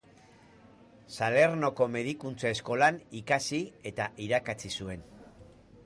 Salernoko Medikuntza Eskolan ikasi eta irakatsi zuen.